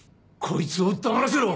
こいつを黙らせろ！